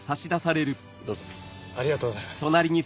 ありがとうございます。